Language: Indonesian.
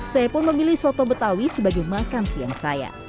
saya pun memilih soto betawi sebagai makan siang saya